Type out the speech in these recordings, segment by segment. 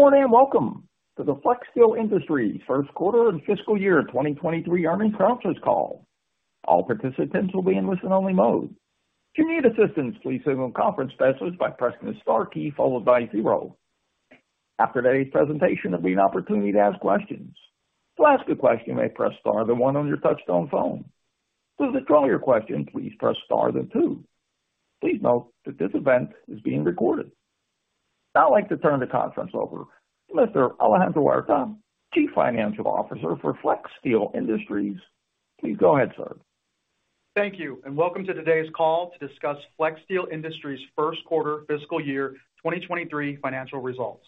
Good morning, and welcome to the Flexsteel Industries Q1 and fiscal year 2023 earnings conference call. All participants will be in listen-only mode. If you need assistance, please signal a conference specialist by pressing the star key followed by zero. After today's presentation, there'll be an opportunity to ask questions. To ask a question, you may press star then one on your touchtone phone. To withdraw your question, please press star then two. Please note that this event is being recorded. Now I'd like to turn the conference over to Mr. Alejandro Huerta, Chief Financial Officer for Flexsteel Industries. Please go ahead, sir. Thank you, and welcome to today's call to discuss Flexsteel Industries Q1 fiscal year 2023 financial results.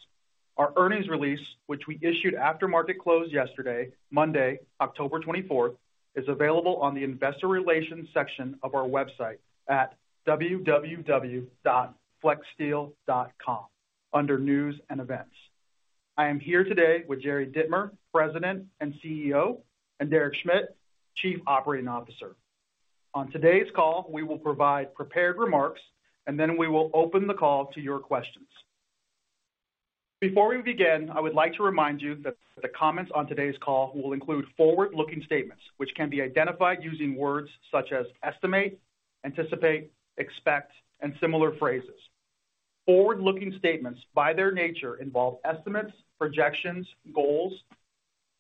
Our earnings release, which we issued after market close yesterday, Monday, October 2024, is available on the investor relations section of our website at www.flexsteel.com under News and Events. I am here today with Jerry Dittmer, President and CEO, and Derek Schmidt, Chief Operating Officer. On today's call, we will provide prepared remarks, and then we will open the call to your questions. Before we begin, I would like to remind you that the comments on today's call will include forward-looking statements, which can be identified using words such as estimate, anticipate, expect, and similar phrases. Forward-looking statements, by their nature, involve estimates, projections, goals,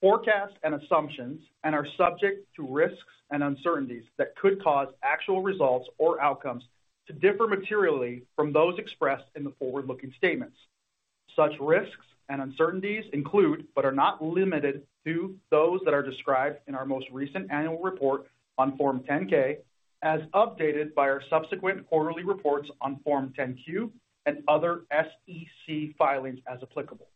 forecasts, and assumptions, and are subject to risks and uncertainties that could cause actual results or outcomes to differ materially from those expressed in the forward-looking statements. Such risks and uncertainties include, but are not limited to, those that are described in our most recent annual report on Form 10-K as updated by our subsequent quarterly reports on Form 10-Q and other SEC filings as applicable.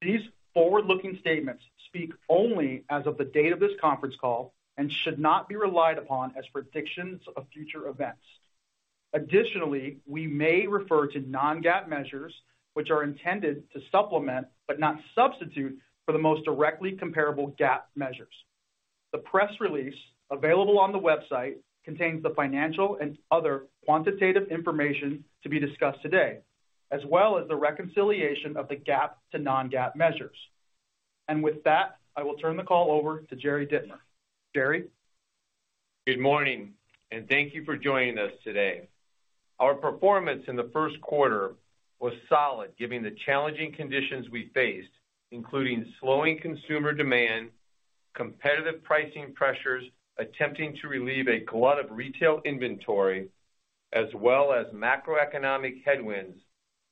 These forward-looking statements speak only as of the date of this conference call and should not be relied upon as predictions of future events. Additionally, we may refer to non-GAAP measures which are intended to supplement, but not substitute, for the most directly comparable GAAP measures. The press release available on the website contains the financial and other quantitative information to be discussed today, as well as the reconciliation of the GAAP to non-GAAP measures. With that, I will turn the call over to Jerry Dittmer. Jerry. Good morning, and thank you for joining us today. Our performance in the Q1 was solid, given the challenging conditions we faced, including slowing consumer demand, competitive pricing pressures, attempting to relieve a glut of retail inventory, as well as macroeconomic headwinds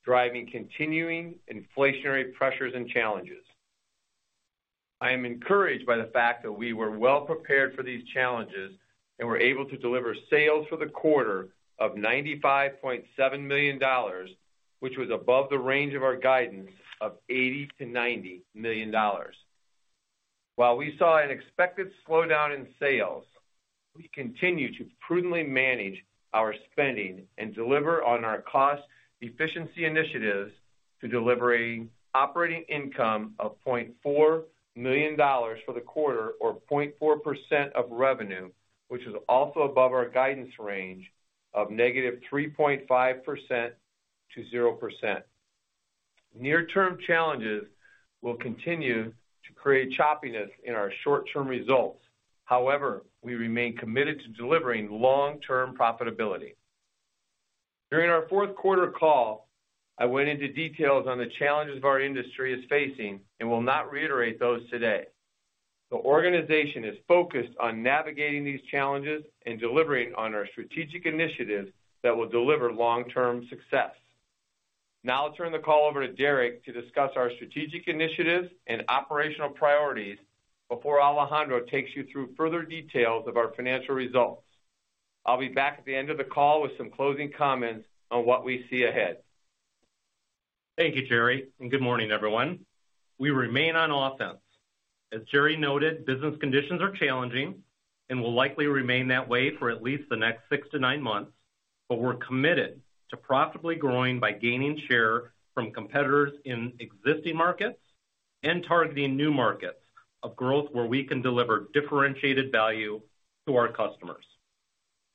driving continuing inflationary pressures and challenges. I am encouraged by the fact that we were well prepared for these challenges and were able to deliver sales for the quarter of $95.7 million, which was above the range of our guidance of $80-$90 million. While we saw an expected slowdown in sales, we continue to prudently manage our spending and deliver on our cost efficiency initiatives to delivering operating income of $0.4 million for the quarter or 0.4% of revenue, which is also above our guidance range of -3.5%-0%. Near-term challenges will continue to create choppiness in our short-term results. However, we remain committed to delivering long-term profitability. During our Q4 call, I went into details on the challenges our industry is facing and will not reiterate those today. The organization is focused on navigating these challenges and delivering on our strategic initiatives that will deliver long-term success. Now I'll turn the call over to Derek to discuss our strategic initiatives and operational priorities before Alejandro takes you through further details of our financial results. I'll be back at the end of the call with some closing comments on what we see ahead. Thank you, Jerry, and good morning, everyone. We remain on offense. As Jerry noted, business conditions are challenging and will likely remain that way for at least the next six to nine months, but we're committed to profitably growing by gaining share from competitors in existing markets and targeting new markets of growth where we can deliver differentiated value to our customers.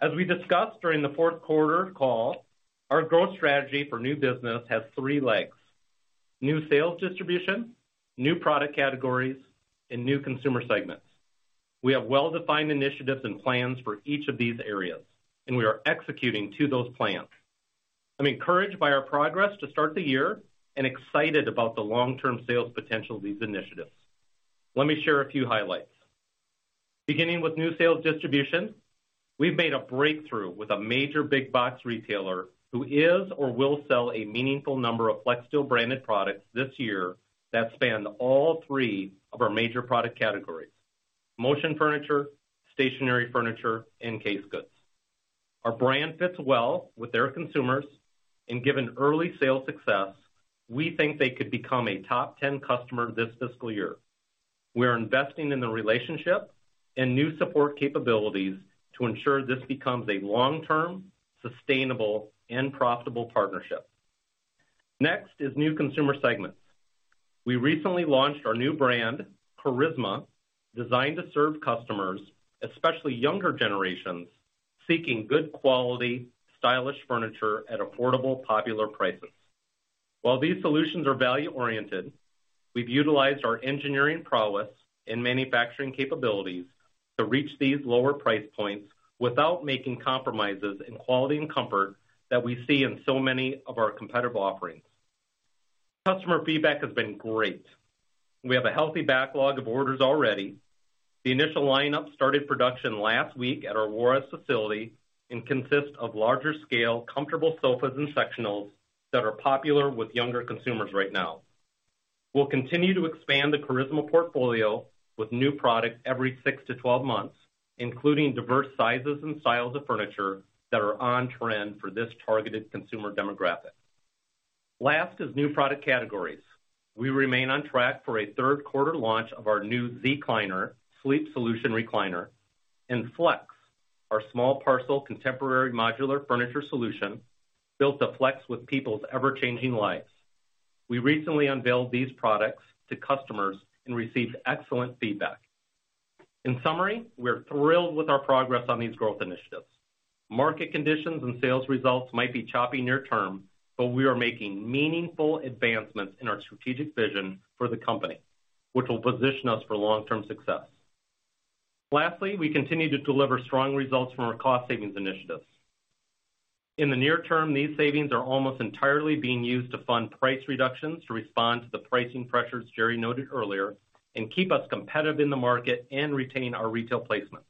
As we discussed during the Q4 call, our growth strategy for new business has three legs, new sales distribution, new product categories, and new consumer segments. We have well-defined initiatives and plans for each of these areas, and we are executing to those plans. I'm encouraged by our progress to start the year and excited about the long-term sales potential of these initiatives. Let me share a few highlights. Beginning with new sales distribution, we've made a breakthrough with a major big box retailer who is or will sell a meaningful number of Flexsteel branded products this year that span all three of our major product categories, motion furniture, stationary furniture, and case goods. Our brand fits well with their consumers. Given early sales success, we think they could become a top ten customer this fiscal year. We are investing in the relationship and new support capabilities to ensure this becomes a long-term, sustainable, and profitable partnership. Next is new consumer segments. We recently launched our new brand, Charisma, designed to serve customers, especially younger generations, seeking good quality, stylish furniture at affordable, popular prices. While these solutions are value-oriented, we've utilized our engineering prowess and manufacturing capabilities to reach these lower price points without making compromises in quality and comfort that we see in so many of our competitive offerings. Customer feedback has been great. We have a healthy backlog of orders already. The initial lineup started production last week at our Juárez facility and consists of larger scale, comfortable sofas and sectionals that are popular with younger consumers right now. We'll continue to expand the Charisma portfolio with new products every six-12 months, including diverse sizes and styles of furniture that are on trend for this targeted consumer demographic. Last is new product categories. We remain on track for a Q3 launch of our new Zecliner sleep solution recliner, and Flex, our small parcel contemporary modular furniture solution built to flex with people's ever-changing lives. We recently unveiled these products to customers and received excellent feedback. In summary, we're thrilled with our progress on these growth initiatives. Market conditions and sales results might be choppy near term, but we are making meaningful advancements in our strategic vision for the company, which will position us for long-term success. Lastly, we continue to deliver strong results from our cost savings initiatives. In the near term, these savings are almost entirely being used to fund price reductions to respond to the pricing pressures Jerry noted earlier and keep us competitive in the market and retain our retail placement.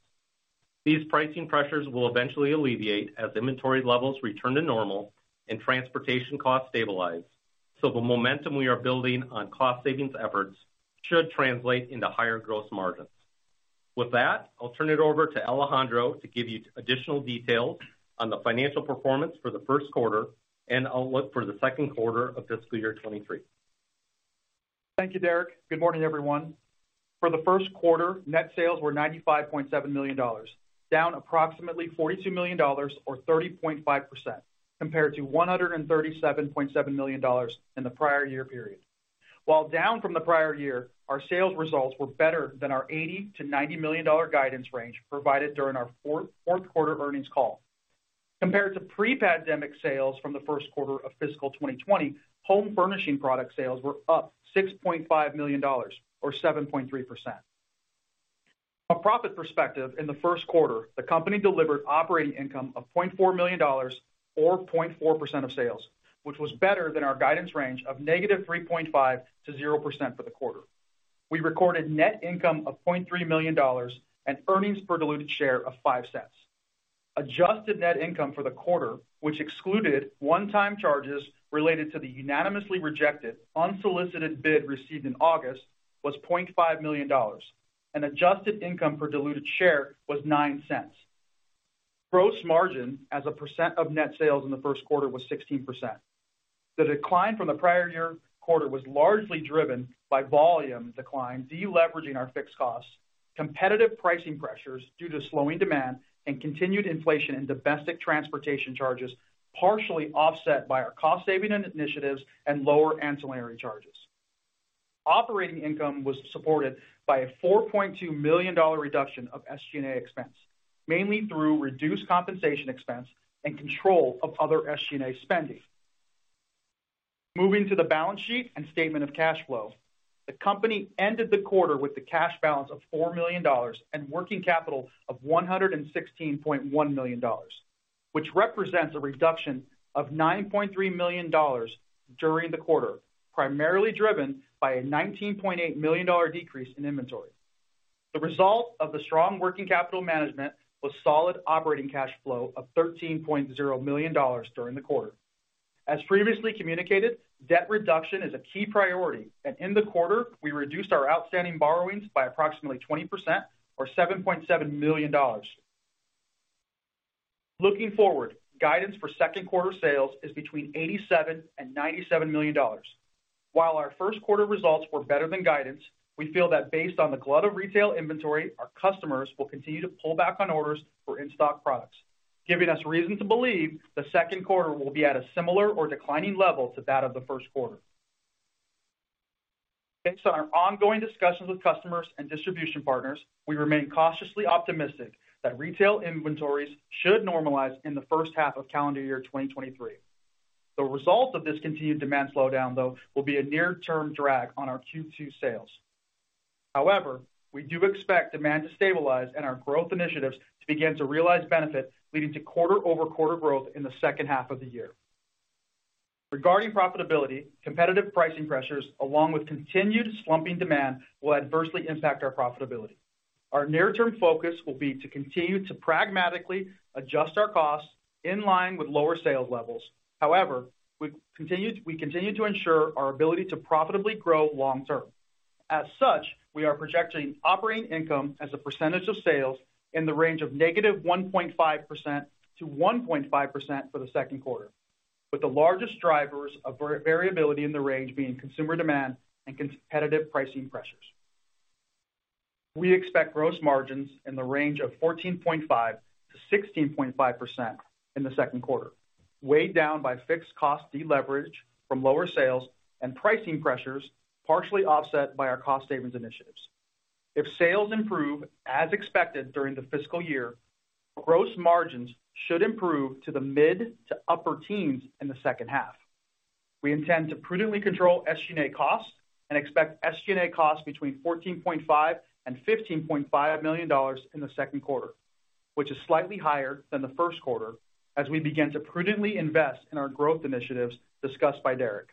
These pricing pressures will eventually alleviate as inventory levels return to normal and transportation costs stabilize. The momentum we are building on cost savings efforts should translate into higher gross margins. With that, I'll turn it over to Alejandro to give you additional details on the financial performance for the Q1 and outlook for the Q2 of fiscal year 2023. Thank you, Derek. Good morning, everyone. For the Q1, net sales were $95.7 million, down approximately $42 million or 30.5% compared to $137.7 million in the prior year period. While down from the prior year, our sales results were better than our $80-$90 million guidance range provided during our Q4 earnings call. Compared to pre-pandemic sales from the Q1 of fiscal 2020, home furnishing product sales were up $6.5 million or 7.3%. From a profit perspective in the Q1, the company delivered operating income of $0.4 million or 0.4% of sales, which was better than our guidance range of -3.5%-0% for the quarter. We recorded net income of $0.3 million and earnings per diluted share of $0.05. Adjusted net income for the quarter, which excluded one-time charges related to the unanimously rejected unsolicited bid received in August, was $0.5 million, and adjusted income per diluted share was $0.09. Gross margin as a percent of net sales in the Q1 was 16%. The decline from the prior year quarter was largely driven by volume decline, deleveraging our fixed costs, competitive pricing pressures due to slowing demand and continued inflation in domestic transportation charges, partially offset by our cost saving initiatives and lower ancillary charges. Operating income was supported by a $4.2 million reduction of SG&A expense, mainly through reduced compensation expense and control of other SG&A spending. Moving to the balance sheet and statement of cash flow. The company ended the quarter with a cash balance of $4 million and working capital of $116.1 million, which represents a reduction of $9.3 million during the quarter, primarily driven by a $19.8 million decrease in inventory. The result of the strong working capital management was solid operating cash flow of $13.0 million during the quarter. As previously communicated, debt reduction is a key priority, and in the quarter, we reduced our outstanding borrowings by approximately 20% or $7.7 million. Looking forward, guidance for Q2 sales is between $87 million and $97 million. While our Q1 results were better than guidance, we feel that based on the glut of retail inventory, our customers will continue to pull back on orders for in-stock products, giving us reason to believe the Q2 will be at a similar or declining level to that of the Q1. Based on our ongoing discussions with customers and distribution partners, we remain cautiously optimistic that retail inventories should normalize in the H1 of calendar year 2023. The result of this continued demand slowdown, though, will be a near-term drag on our Q2 sales. However, we do expect demand to stabilize and our growth initiatives to begin to realize benefits leading to quarter-over-quarter growth in the H2 of the year. Regarding profitability, competitive pricing pressures, along with continued slumping demand, will adversely impact our profitability. Our near-term focus will be to continue to pragmatically adjust our costs in line with lower sales levels. However, we continue to ensure our ability to profitably grow long term. As such, we are projecting operating income as a percentage of sales in the range of -1.5% to 1.5% for the Q2, with the largest drivers of variability in the range being consumer demand and competitive pricing pressures. We expect gross margins in the range of 14.5%-16.5% in the Q2, weighed down by fixed cost deleverage from lower sales and pricing pressures, partially offset by our cost savings initiatives. If sales improve as expected during the fiscal year, gross margins should improve to the mid to upper teens in the H2. We intend to prudently control SG&A costs and expect SG&A costs between $14.5 million and $15.5 million in the Q2, which is slightly higher than the Q1 as we begin to prudently invest in our growth initiatives discussed by Derek.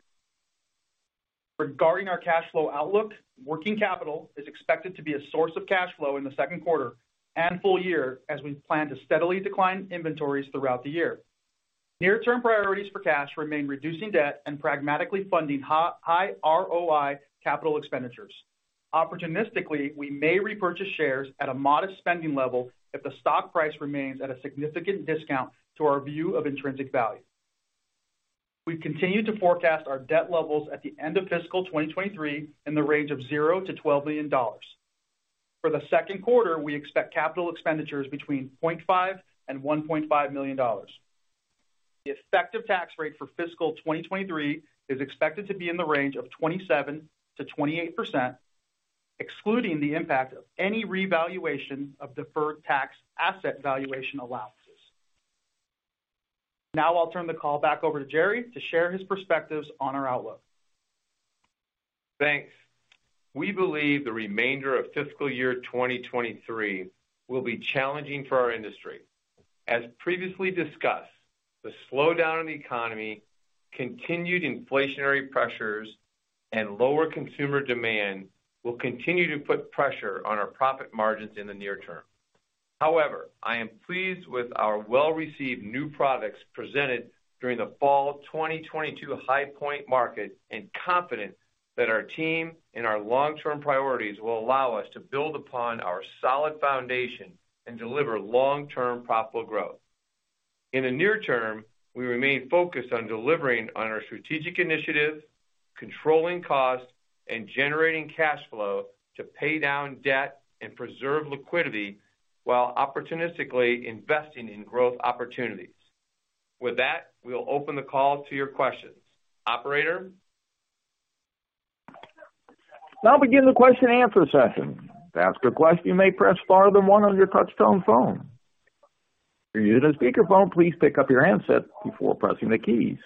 Regarding our cash flow outlook, working capital is expected to be a source of cash flow in the Q2 and full year as we plan to steadily decline inventories throughout the year. Near-term priorities for cash remain reducing debt and pragmatically funding high ROI capital expenditures. Opportunistically, we may repurchase shares at a modest spending level if the stock price remains at a significant discount to our view of intrinsic value. We continue to forecast our debt levels at the end of fiscal 2023 in the range of $0-$12 million. For the Q2, we expect capital expenditures between $0.5 million and $1.5 million. The effective tax rate for fiscal 2023 is expected to be in the range of 27%-28%, excluding the impact of any revaluation of deferred tax asset valuation allowances. Now I'll turn the call back over to Jerry to share his perspectives on our outlook. Thanks. We believe the remainder of fiscal year 2023 will be challenging for our industry. As previously discussed, the slowdown in the economy, continued inflationary pressures, and lower consumer demand will continue to put pressure on our profit margins in the near term. However, I am pleased with our well-received new products presented during the fall of 2022 High Point Market, and confident that our team and our long-term priorities will allow us to build upon our solid foundation and deliver long-term profitable growth. In the near term, we remain focused on delivering on our strategic initiatives, controlling costs, and generating cash flow to pay down debt and preserve liquidity while opportunistically investing in growth opportunities. With that, we'll open the call to your questions. Operator? Now we begin the question and answer session. To ask a question, you may press star then one on your touchtone phone. If you're using a speakerphone, please pick up your handset before pressing the keys.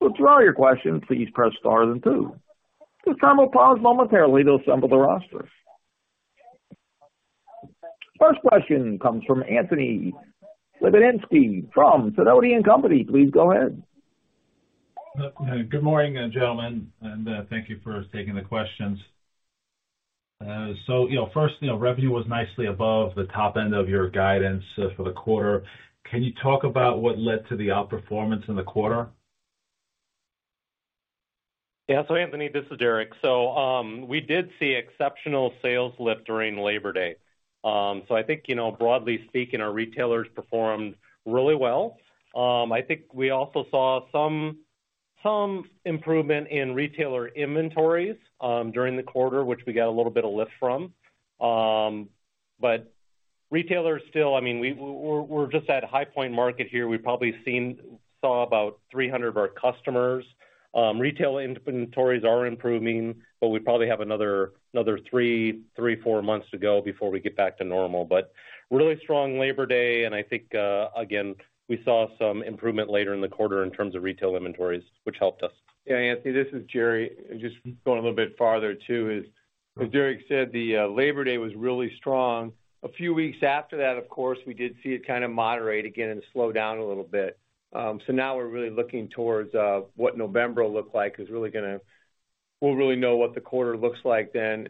To withdraw your question, please press star then two. The time will pause momentarily to assemble the roster. First question comes from Anthony Lebiedzinski from Sidoti & Company. Please go ahead. Good morning, gentlemen, and thank you for taking the questions. You know, first, you know, revenue was nicely above the top end of your guidance for the quarter. Can you talk about what led to the outperformance in the quarter? Yeah. Anthony, this is Derek. We did see exceptional sales lift during Labor Day. I think, you know, broadly speaking, our retailers performed really well. I think we also saw some improvement in retailer inventories during the quarter, which we get a little bit of lift from. But retailers still, I mean, we're just at High Point Market here. We probably saw about 300 of our customers. Retail inventories are improving, but we probably have another three, four months to go before we get back to normal. Really strong Labor Day, and I think, again, we saw some improvement later in the quarter in terms of retail inventories, which helped us. Yeah, Anthony, this is Jerry. Just going a little bit farther too, as Derek said, the Labor Day was really strong. A few weeks after that, of course, we did see it kind of moderate again and slow down a little bit. Now we're really looking towards what November will look like. We'll really know what the quarter looks like then.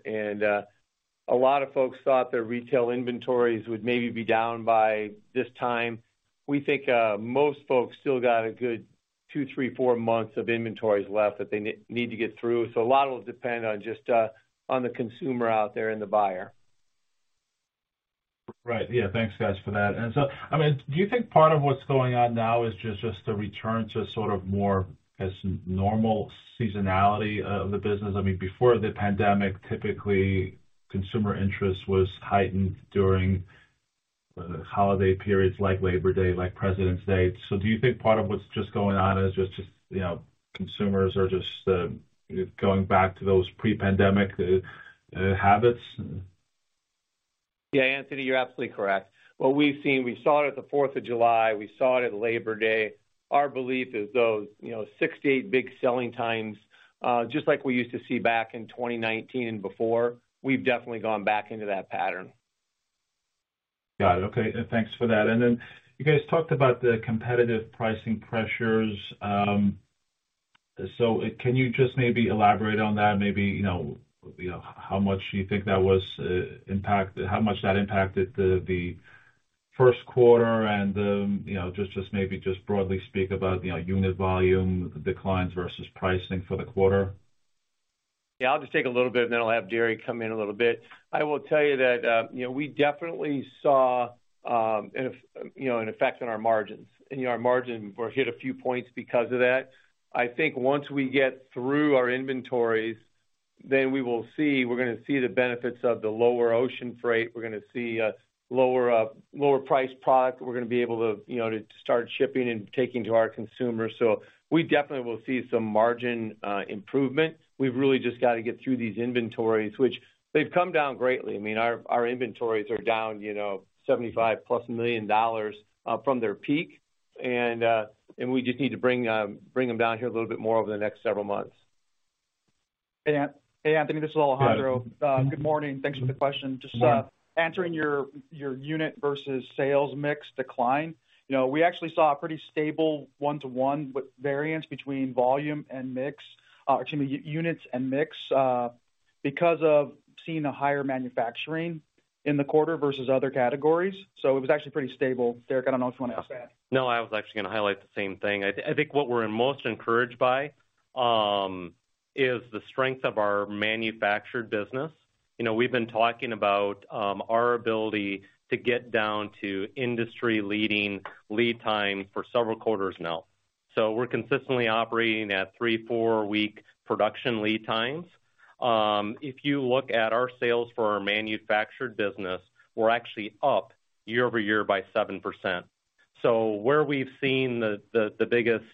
A lot of folks thought their retail inventories would maybe be down by this time. We think most folks still got a good two, three, four months of inventories left that they need to get through. A lot will depend on just on the consumer out there and the buyer. Right. Yeah, thanks, guys, for that. I mean, do you think part of what's going on now is just a return to sort of more as normal seasonality of the business? I mean, before the pandemic, typically consumer interest was heightened during holiday periods like Labor Day, like President's Day. Do you think part of what's going on is just, you know, consumers are just going back to those pre-pandemic habits? Yeah, Anthony, you're absolutely correct. What we've seen, we saw it at the 4th of July, we saw it at Labor Day. Our belief is those, you know, six to eight big selling times, just like we used to see back in 2019 and before, we've definitely gone back into that pattern. Got it. Okay. Thanks for that. You guys talked about the competitive pricing pressures. Can you just maybe elaborate on that? Maybe, you know, how much do you think that was, how much that impacted the Q1 and, you know, just maybe broadly speak about, you know, unit volume declines versus pricing for the quarter. Yeah, I'll just take a little bit, and then I'll have Jerry come in a little bit. I will tell you that, you know, we definitely saw an effect on our margins, and our margin hit a few points because of that. I think once we get through our inventories, we're gonna see the benefits of the lower ocean freight. We're gonna see a lower price product. We're gonna be able to, you know, to start shipping and taking to our consumers. We definitely will see some margin improvement. We've really just got to get through these inventories, which they've come down greatly. I mean, our inventories are down $75+ million from their peak. We just need to bring them down here a little bit more over the next several months. Hey, Anthony, this is Alejandro. Hi. Good morning. Thanks for the question. Just answering your unit versus sales mix decline. You know, we actually saw a pretty stable one-to-one variance between units and mix because of seeing a higher manufacturing in the quarter versus other categories. It was actually pretty stable. Derek, I don't know if you want to add to that. No, I was actually gonna highlight the same thing. I think what we're most encouraged by is the strength of our manufactured business. You know, we've been talking about our ability to get down to industry-leading lead time for several quarters now. We're consistently operating at three-four week production lead times. If you look at our sales for our manufactured business, we're actually up year-over-year by 7%. Where we've seen the biggest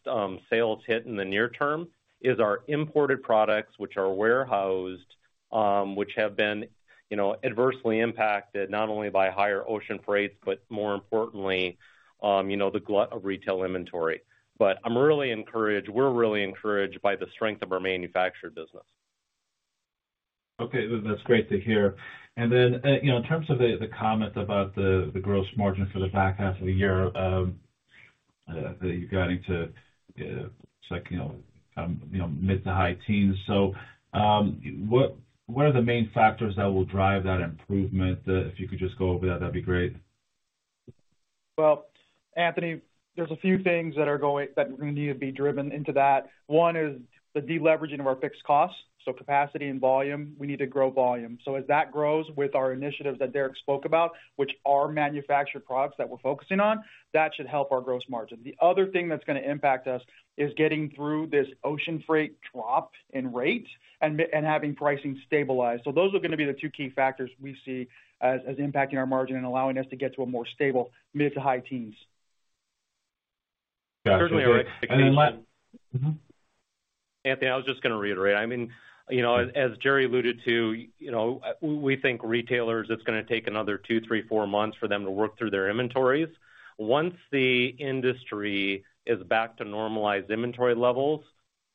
sales hit in the near term is our imported products, which are warehoused, which have been, you know, adversely impacted not only by higher ocean freights, but more importantly, you know, the glut of retail inventory. I'm really encouraged. We're really encouraged by the strength of our manufactured business. Okay. That's great to hear. You know, in terms of the comment about the gross margin for the back half of the year that you're guiding to, it's like, you know, mid- to high-teens. What are the main factors that will drive that improvement? If you could just go over that'd be great. Well, Anthony, there's a few things that are that we need to be driven into that. One is the deleveraging of our fixed costs, so capacity and volume. We need to grow volume. As that grows with our initiatives that Derek spoke about, which are manufactured products that we're focusing on, that should help our gross margin. The other thing that's gonna impact us is getting through this ocean freight drop in rates and having pricing stabilized. Those are gonna be the two key factors we see as impacting our margin and allowing us to get to a more stable mid to high teens. Got you. Okay. Anthony, I was just gonna reiterate. I mean, you know, as Jerry alluded to, you know, we think retailers, it's gonna take another two, three, four months for them to work through their inventories. Once the industry is back to normalized inventory levels,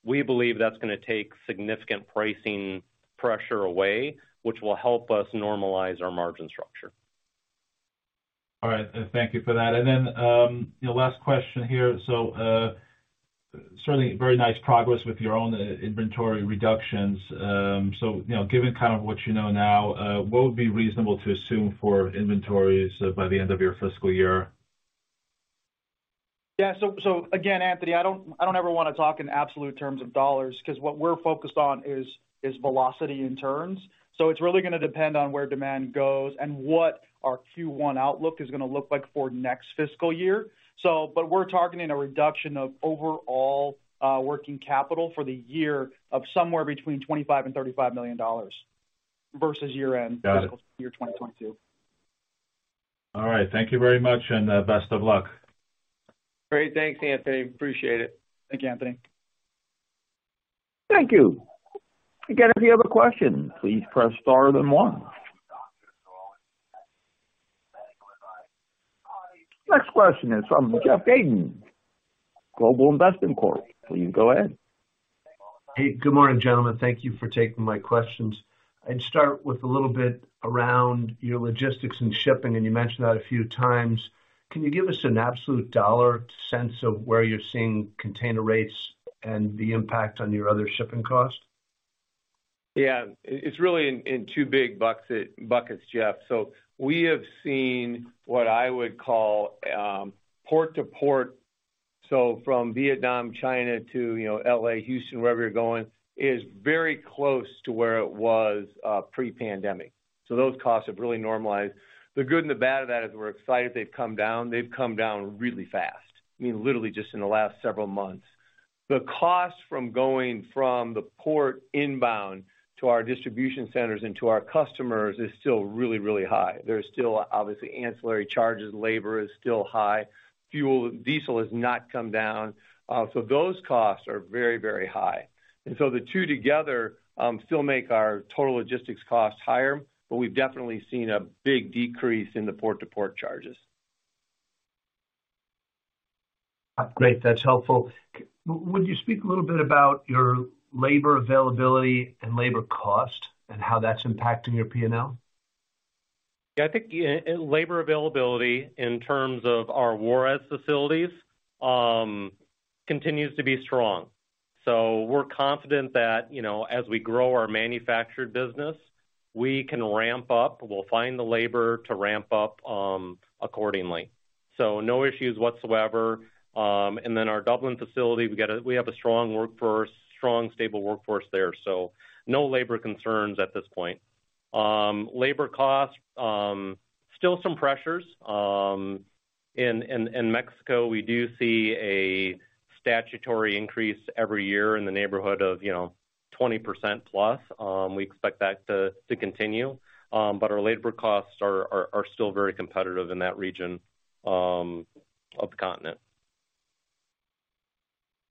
we believe that's gonna take significant pricing pressure away, which will help us normalize our margin structure. All right. Thank you for that. You know, last question here. Certainly very nice progress with your own inventory reductions. You know, given kind of what you know now, what would be reasonable to assume for inventories by the end of your fiscal year? Yeah. Again, Anthony, I don't ever wanna talk in absolute terms of dollars because what we're focused on is velocity and turns. It's really gonna depend on where demand goes and what our Q1 outlook is gonna look like for next fiscal year. We're targeting a reduction of overall working capital for the year of somewhere between $25 million and $35 million versus year-end. Got it. Fiscal year 2022. All right. Thank you very much, and best of luck. Great. Thanks, Anthony. Appreciate it. Thanks, Anthony. Thank you. Again, if you have a question, please press star then one. Next question is from Jeff Geygan, Global Value Investment Corp. Please go ahead. Hey, good morning, gentlemen. Thank you for taking my questions. I'd start with a little bit around your logistics and shipping, and you mentioned that a few times. Can you give us an absolute dollar sense of where you're seeing container rates and the impact on your other shipping costs? It's really in two big buckets, Jeff. We have seen what I would call port to port, so from Vietnam, China, to, you know, L.A., Houston, wherever you're going, is very close to where it was pre-pandemic. Those costs have really normalized. The good and the bad of that is we're excited they've come down. They've come down really fast, I mean, literally just in the last several months. The cost from going from the port inbound to our distribution centers and to our customers is still really, really high. There's still obviously ancillary charges. Labor is still high. Diesel has not come down. Those costs are very, very high. The two together still make our total logistics costs higher, but we've definitely seen a big decrease in the port-to-port charges. Great. That's helpful. Would you speak a little bit about your labor availability and labor cost and how that's impacting your P&L? Yeah. I think labor availability in terms of our Juárez facilities continues to be strong. We're confident that, you know, as we grow our manufactured business, we can ramp up. We'll find the labor to ramp up accordingly. No issues whatsoever. Then our Dublin facility, we have a strong, stable workforce there. No labor concerns at this point. Labor costs still some pressures. In Mexico, we do see a statutory increase every year in the neighborhood of, you know, 20%+. We expect that to continue. Our labor costs are still very competitive in that region of the continent.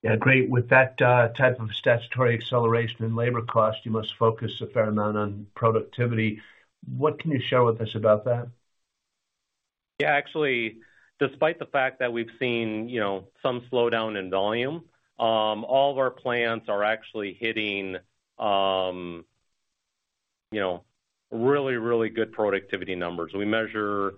Yeah, great. With that, type of substantial acceleration in labor cost, you must focus a fair amount on productivity. What can you share with us about that? Yeah, actually, despite the fact that we've seen, you know, some slowdown in volume, all of our plants are actually hitting, you know, really good productivity numbers. We measure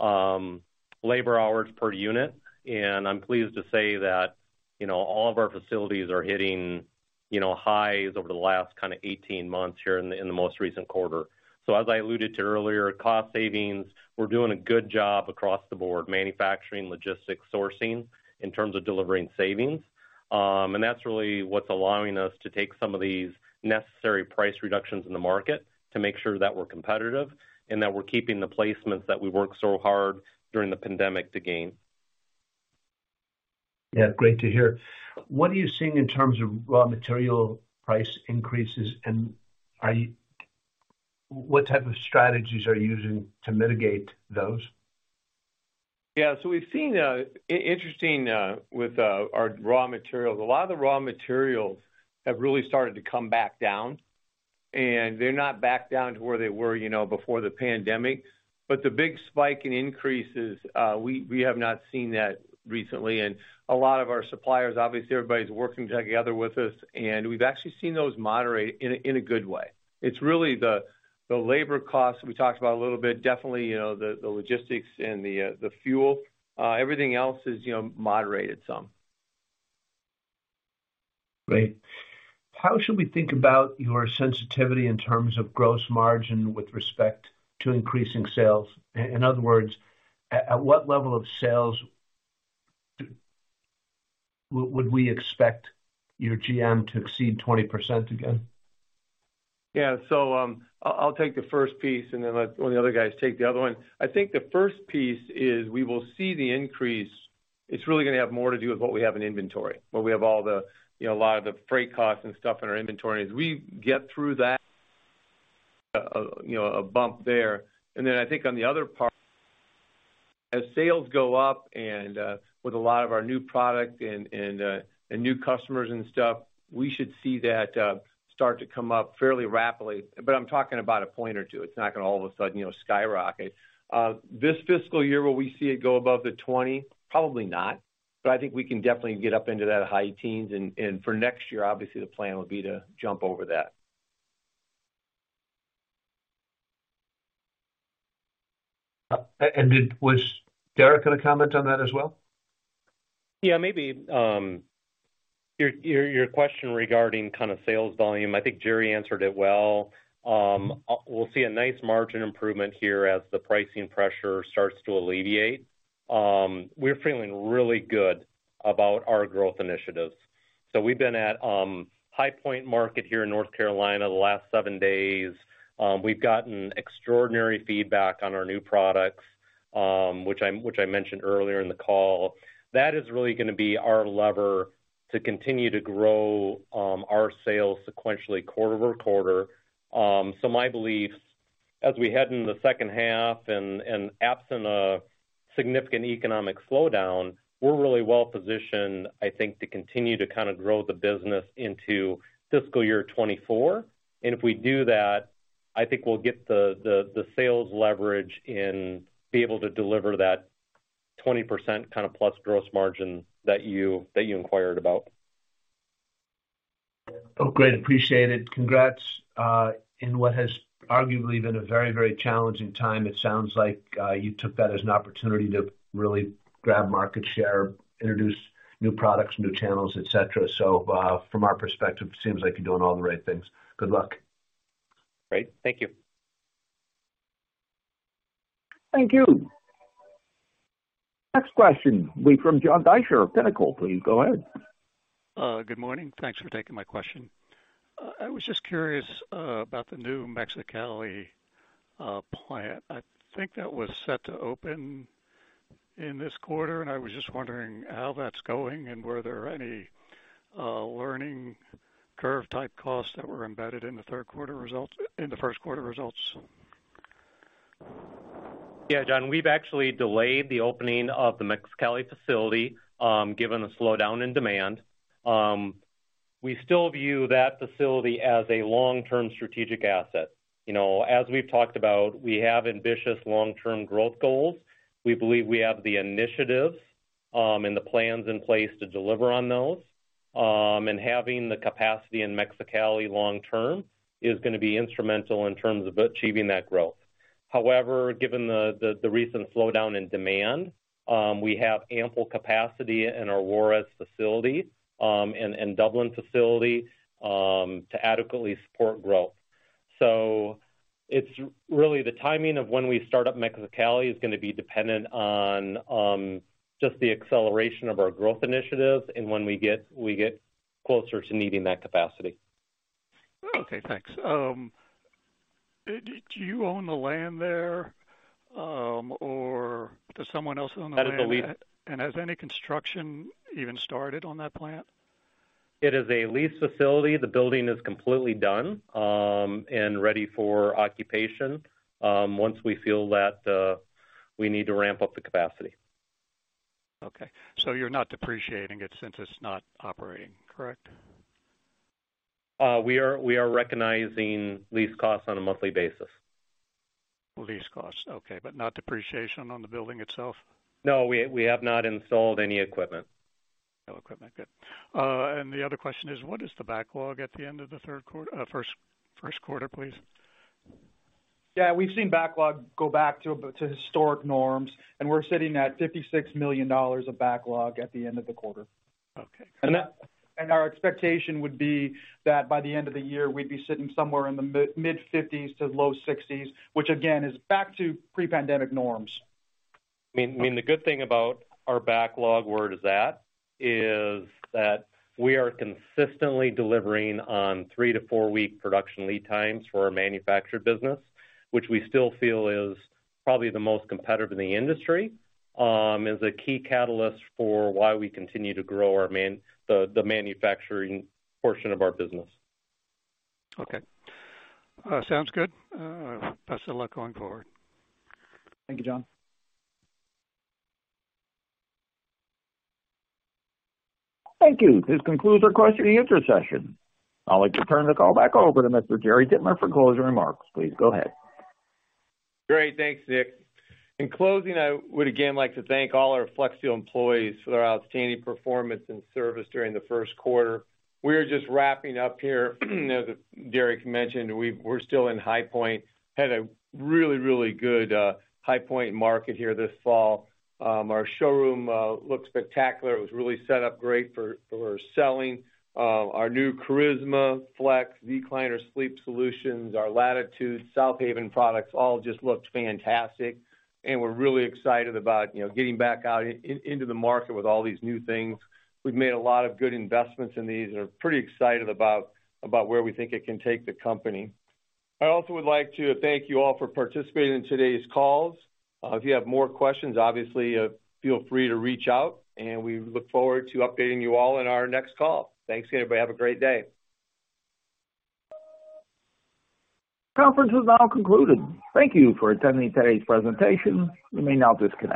labor hours per unit, and I'm pleased to say that, you know, all of our facilities are hitting, you know, highs over the last kind of 18 months here in the most recent quarter. As I alluded to earlier, cost savings, we're doing a good job across the board, manufacturing, logistics, sourcing, in terms of delivering savings. That's really what's allowing us to take some of these necessary price reductions in the market to make sure that we're competitive and that we're keeping the placements that we worked so hard during the pandemic to gain. Yeah, great to hear. What type of strategies are you using to mitigate those? Yeah. We've seen interesting with our raw materials. A lot of the raw materials have really started to come back down, and they're not back down to where they were, you know, before the pandemic. The big spike in increases we have not seen that recently. A lot of our suppliers, obviously, everybody's working together with us, and we've actually seen those moderate in a good way. It's really the labor costs we talked about a little bit, definitely, you know, the logistics and the fuel. Everything else is, you know, moderated some. Great. How should we think about your sensitivity in terms of gross margin with respect to increasing sales? In other words, at what level of sales would we expect your GM to exceed 20% again? Yeah. I'll take the first piece and then let one of the other guys take the other one. I think the first piece is we will see the increase. It's really gonna have more to do with what we have in inventory, where we have all the, you know, a lot of the freight costs and stuff in our inventory. As we get through that, you know, a bump there. I think on the other part, as sales go up and with a lot of our new product and new customers and stuff, we should see that start to come up fairly rapidly. I'm talking about a point or two. It's not gonna all of a sudden, you know, skyrocket. This fiscal year, will we see it go above the 20%? Probably not. I think we can definitely get up into that high teens. For next year, obviously, the plan would be to jump over that. Was Derek gonna comment on that as well? Yeah, maybe, your question regarding kind of sales volume, I think Jerry answered it well. We'll see a nice margin improvement here as the pricing pressure starts to alleviate. We're feeling really good about our growth initiatives. We've been at High Point Market here in North Carolina the last seven days. We've gotten extraordinary feedback on our new products, which I mentioned earlier in the call. That is really gonna be our lever to continue to grow our sales sequentially quarter-over-quarter. My beliefs as we head into the H2 and absent a significant economic slowdown, we're really well positioned, I think, to continue to kind of grow the business into fiscal year 2024. If we do that, I think we'll get the sales leverage and be able to deliver that 20% kind of plus gross margin that you inquired about. Oh, great. Appreciate it. Congrats in what has arguably been a very, very challenging time. It sounds like you took that as an opportunity to really grab market share, introduce new products, new channels, et cetera. From our perspective, it seems like you're doing all the right things. Good luck. Great. Thank you. Thank you. Next question will be from John Deysher of Pinnacle. Please go ahead. Good morning. Thanks for taking my question. I was just curious about the new Mexicali plant. I think that was set to open in this quarter, and I was just wondering how that's going and were there any learning curve type costs that were embedded in the Q1 results? Yeah, John, we've actually delayed the opening of the Mexicali facility, given the slowdown in demand. We still view that facility as a long-term strategic asset. You know, as we've talked about, we have ambitious long-term growth goals. We believe we have the initiatives, and the plans in place to deliver on those. And having the capacity in Mexicali long term is gonna be instrumental in terms of achieving that growth. However, given the recent slowdown in demand, we have ample capacity in our Juárez facility, and Dublin facility, to adequately support growth. It's really the timing of when we start up Mexicali is gonna be dependent on just the acceleration of our growth initiatives and when we get closer to needing that capacity. Okay, thanks. Do you own the land there, or does someone else own the land? That is a lease. Has any construction even started on that plant? It is a leased facility. The building is completely done, and ready for occupation, once we feel that we need to ramp up the capacity. Okay. You're not depreciating it since it's not operating, correct? We are recognizing lease costs on a monthly basis. Lease costs, okay, but not depreciation on the building itself? No, we have not installed any equipment. No equipment, good. The other question is what is the backlog at the end of the Q1, please? Yeah, we've seen backlog go back to historic norms, and we're sitting at $56 million of backlog at the end of the quarter. Okay. Our expectation would be that by the end of the year, we'd be sitting somewhere in the mid-50s to low 60s, which again is back to pre-pandemic norms. I mean, the good thing about our backlog where it is at is that we are consistently delivering on three-four-week production lead times for our manufactured business, which we still feel is probably the most competitive in the industry, is a key catalyst for why we continue to grow our manufacturing portion of our business. Okay. Sounds good. Best of luck going forward. Thank you, John. Thank you. This concludes our question and answer session. I'd like to turn the call back over to Mr. Jerry Dittmer for closing remarks. Please, go ahead. Great, thanks, Nick. In closing, I would again like to thank all our Flexsteel employees for their outstanding performance and service during the Q1. We are just wrapping up here. As Derek mentioned, we're still in High Point. Had a really good High Point Market here this fall. Our showroom looked spectacular. It was really set up great for selling. Our new Charisma Flex recliner sleep solutions, our Latitudes South Haven products all just looked fantastic. We're really excited about, you know, getting back out into the market with all these new things. We've made a lot of good investments in these and are pretty excited about where we think it can take the company. I also would like to thank you all for participating in today's calls. If you have more questions, obviously, feel free to reach out, and we look forward to updating you all in our next call. Thanks, everybody. Have a great day. Conference is now concluded. Thank you for attending today's presentation. You may now disconnect.